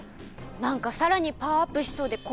なんかさらにパワーアップしそうでこわい。